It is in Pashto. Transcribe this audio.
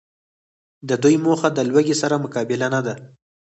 د دوی موخه د لوږي سره مقابله نده